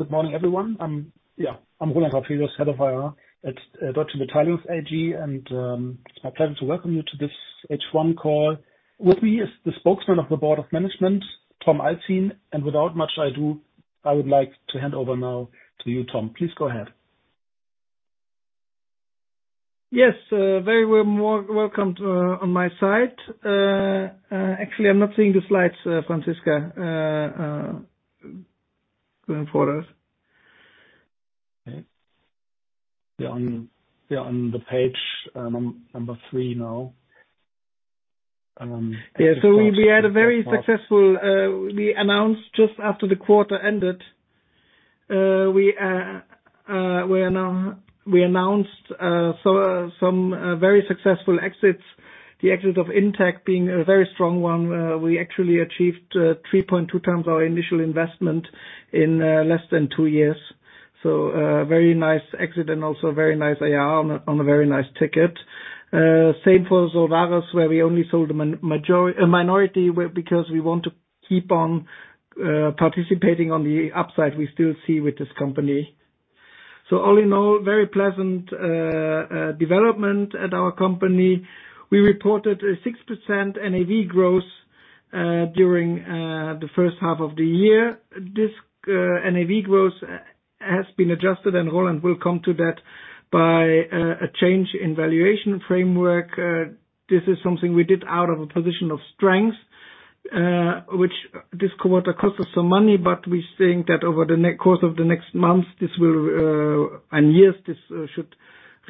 Good morning, everyone. I'm Roland Rapelius, Head of IR at Deutsche Beteiligungs AG, and it's my pleasure to welcome you to this H1 call. With me is the Spokesman of the Board of Management, Tom Alzin. Without much ado, I would like to hand over now to you, Tom. Please go ahead. Yes, very welcome to on my side. Actually, I'm not seeing the slides, Francisco, going forward. They're on the page, number three now. We had a very successful, we announced just after the quarter ended, we announced some very successful exits. The exit of in-tech being a very strong one. We actually achieved 3.2 times our initial investment in less than two years. Very nice exit and also very nice IR on a very nice ticket. Same for Solvares, where we only sold a minority because we want to keep on participating on the upside we still see with this company. All in all, very pleasant development at our company. We reported a 6% NAV growth during the first half of the year. This NAV growth has been adjusted, and Roland will come to that by a change in valuation framework. This is something we did out of a position of strength, which this quarter cost us some money, but we think that over the course of the next months, this will, and years, this should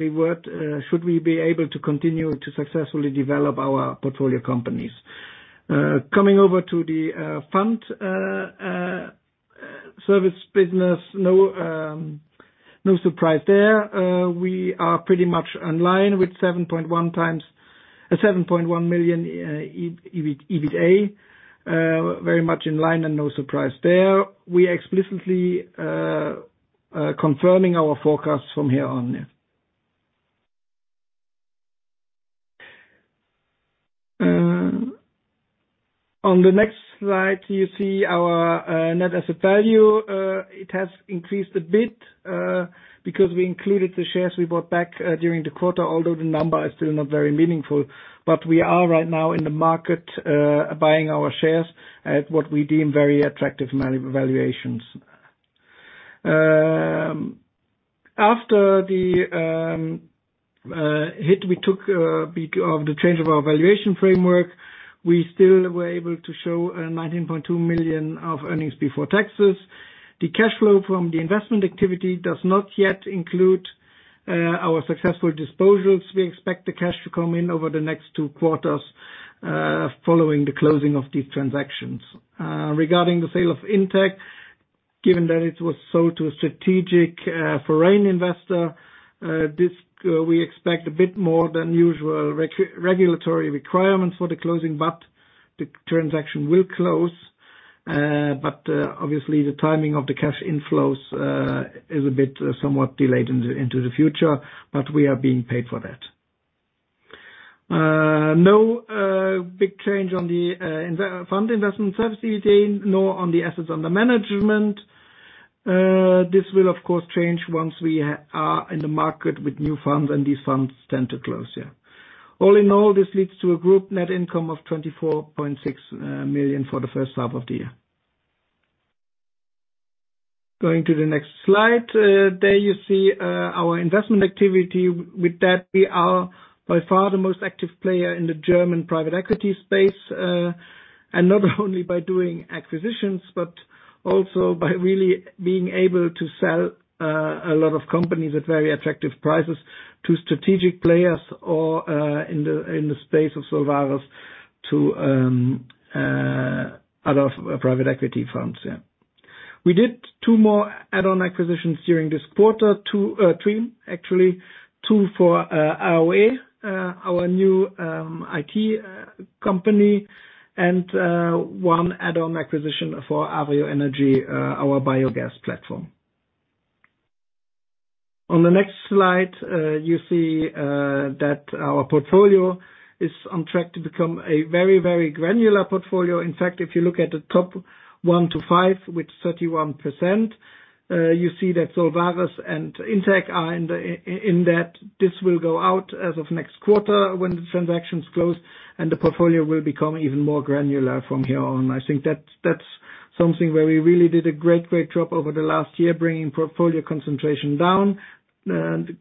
reward, should we be able to continue to successfully develop our portfolio companies. Coming over to the fund service business. No surprise there. We are pretty much in line with 7.1 million EBITDA. Very much in line and no surprise there. We explicitly confirming our forecast from here on, yeah. On the next slide, you see our net asset value. It has increased a bit, because we included the shares we bought back during the quarter, although the number is still not very meaningful. We are right now in the market, buying our shares at what we deem very attractive valuations. After the hit we took of the change of our valuation framework, we still were able to show 19.2 million of earnings before taxes. The cash flow from the investment activity does not yet include our successful disposals. We expect the cash to come in over the next two quarters, following the closing of these transactions. Regarding the sale of in-tech, given that it was sold to a strategic foreign investor, this we expect a bit more than usual regulatory requirements for the closing, but the transaction will close. Obviously the timing of the cash inflows is a bit somewhat delayed into the future, but we are being paid for that. No big change on the Fund investment services AUM, nor on the assets under management. This will of course change once we are in the market with new funds and these funds tend to close. All in all, this leads to a group net income of 24.6 million for the first half of the year. Going to the next slide. There you see our investment activity. With that, we are by far the most active player in the German private equity space, and not only by doing acquisitions, but also by really being able to sell a lot of companies at very attractive prices to strategic players or in the space of Solvares to other private equity firms. We did three more add-on acquisitions during this quarter, actually. Two for AOE, our new IT company, and one add-on acquisition for Avrio Energie, our biogas platform. On the next slide, you see that our portfolio is on track to become a very, very granular portfolio. In fact, if you look at the top one-five, with 31%, you see that Solvares and in-tech are in that. This will go out as of next quarter when the transactions close, and the portfolio will become even more granular from here on. I think that's something where we really did a great job over the last year, bringing portfolio concentration down, having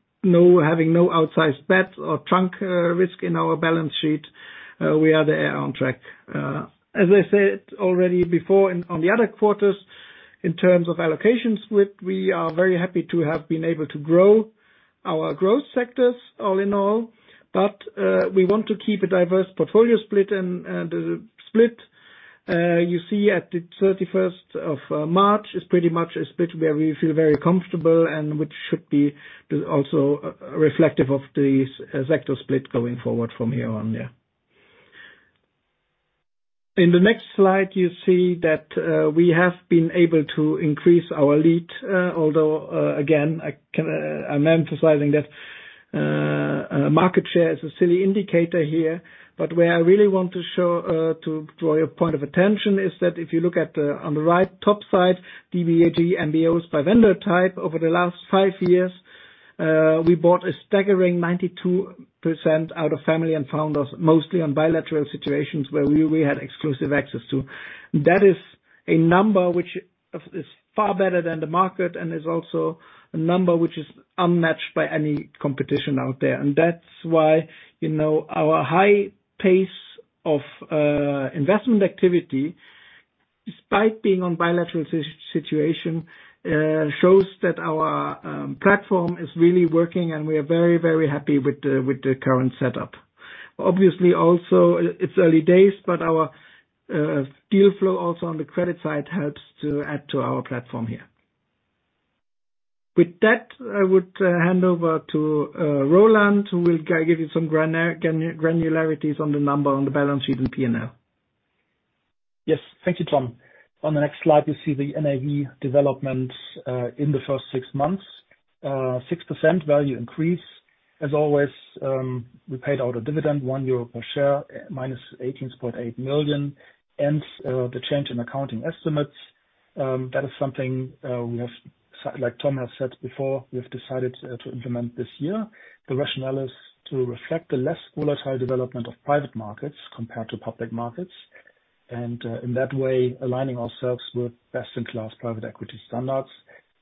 no outsized bets or tail risk in our balance sheet. We are there on track. As I said already before on the other quarters, in terms of allocations split, we are very happy to have been able to grow our growth sectors all in all, but we want to keep a diverse portfolio split and a split you see at the 31st of March is pretty much a split where we feel very comfortable and which should be also reflective of the sector split going forward from here on. In the next slide, you see that we have been able to increase our lead, although again, I can, I'm emphasizing that market share is a silly indicator here, but where I really want to show, to draw your point of attention is that if you look at the on the right top side, DBAG MBOs by vendor type over the last five years, we bought a staggering 92% out of family and founders, mostly on bilateral situations where we had exclusive access to. That is a number which is far better than the market, and is also a number which is unmatched by any competition out there. That's why, you know, our high pace of investment activity, despite being on bilateral situation, shows that our platform is really working, and we are very, very happy with the current setup. Obviously also it's early days, our deal flow also on the credit side helps to add to our platform here. With that, I would hand over to Roland, who will give you some granularities on the number on the balance sheet and P&L. Yes. Thank you, Tom Alzin. On the next slide, you see the NAV development in the first six months. 6% value increase. As always, we paid out a dividend, 1 euro per share, minus 18.8 million. The change in accounting estimates, that is something like Tom Alzin has said before, we have decided to implement this year. The rationale is to reflect the less volatile development of private markets compared to public markets, and in that way, aligning ourselves with best-in-class private equity standards.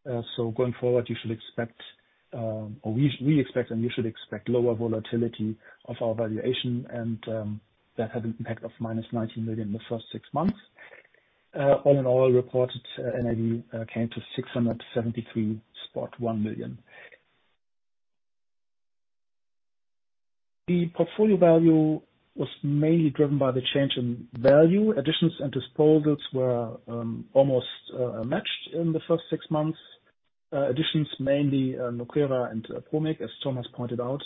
Going forward, you should expect, or we expect, and you should expect lower volatility of our valuation and that had an impact of minus 19 million the first six months. All in all, reported NAV came to 673.1 million. The portfolio value was mainly driven by the change in value. Additions and disposals were almost matched in the first six months. Additions mainly NOKERA and ProMik, as Tom has pointed out,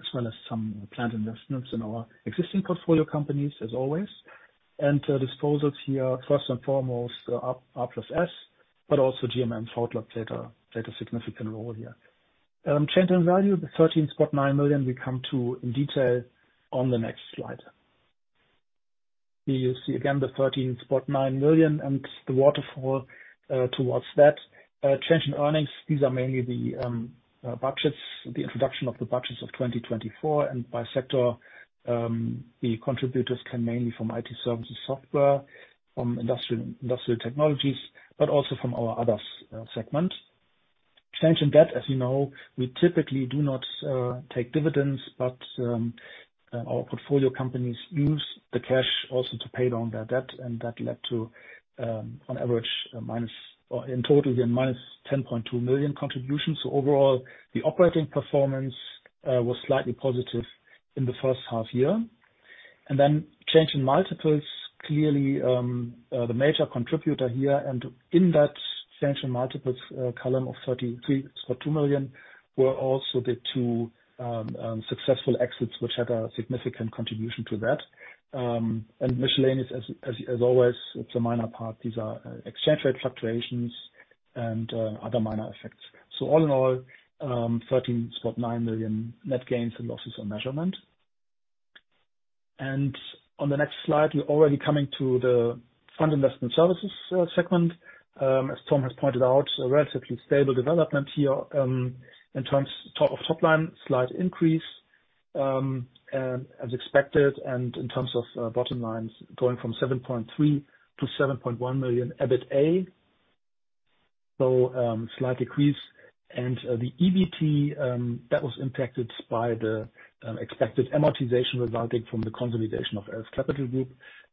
as well as some planned investments in our existing portfolio companies as always. Disposals here, first and foremost, R+S, but also GMM Pfaudler played a significant role here. Change in value, the 13.9 million we come to in detail on the next slide. Here you see again the 13.9 million and the waterfall towards that. Change in earnings, these are mainly the budgets, the introduction of the budgets of 2024. By sector, the contributors came mainly from IT services software, from industrial technologies, but also from our other segment. Change in debt, as you know, we typically do not take dividends, but our portfolio companies use the cash also to pay down their debt, and that led to on average, in total, yeah, -10.2 million contributions. Overall, the operating performance was slightly positive in the first half-year. Change in multiples, clearly, the major contributor here. In that change in multiples column of 33.2 million were also the two successful exits which had a significant contribution to that. Miscellaneous as always, it's a minor part. These are exchange rate fluctuations and other minor effects. All in all, 13.9 million net gains and losses on measurement. On the next slide, we're already coming to the fund investment services segment. As Tom has pointed out, a relatively stable development here, in terms of top line, slight increase, as expected, and in terms of bottom lines going from 7.3 to 7.1 million EBITA. Slight decrease. The EBT that was impacted by the expected amortization resulting from the consolidation of ELF Capital Group.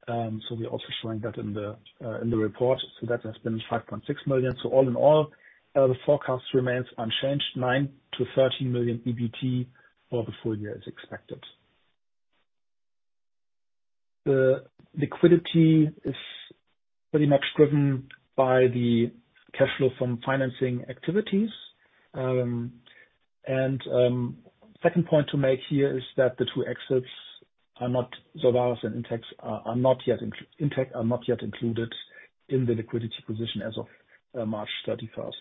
We're also showing that in the report. That has been 5.6 million. All in all, the forecast remains unchanged, 9 million-13 million EBT for the full year as expected. The liquidity is pretty much driven by the cash flow from financing activities. Second point to make here is that the two exits are not Solvares and in-tech are not yet included in the liquidity position as of March 31st.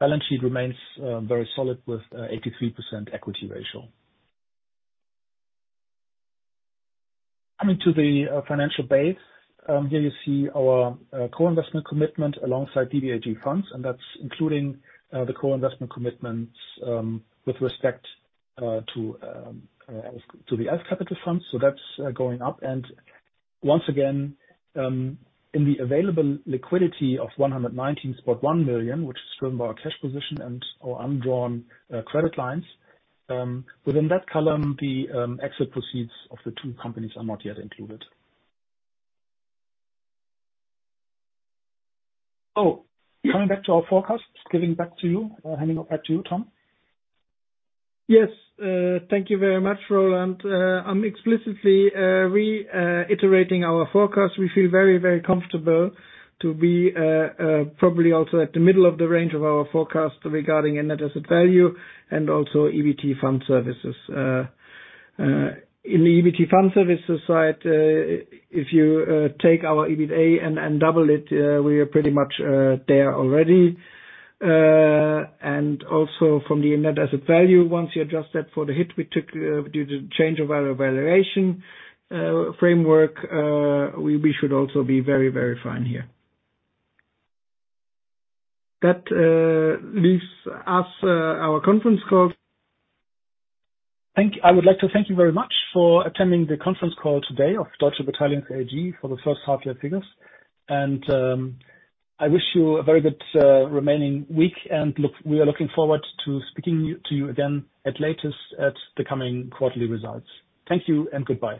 Balance sheet remains very solid with 83% equity ratio. Coming to the financial base, here you see our co-investment commitment alongside DBAG funds, that's including the co-investment commitments with respect to the ELF Capital funds. That's going up. Once again, in the available liquidity of 119.1 million, which is driven by our cash position and our undrawn credit lines, within that column, the exit proceeds of the two companies are not yet included. Coming back to our forecast, handing it back to you, Tom. Yes. Thank you very much, Roland. I'm explicitly reiterating our forecast. We feel very, very comfortable to be probably also at the middle of the range of our forecast regarding net asset value and also EBT fund services. In the EBT fund services side, if you take our EBITDA and double it, we are pretty much there already. Also from the net asset value, once you adjust that for the hit we took due to change of our valuation framework, we should also be very, very fine here. That leaves us our conference call. Thank you. I would like to thank you very much for attending the conference call today of Deutsche Beteiligungs AG for the first half year figures. I wish you a very good remaining week and we are looking forward to speaking to you again at latest at the coming quarterly results. Thank you and goodbye.